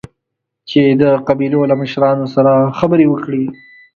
چې د قبيلو له مشرانو سره خبرې وکړي.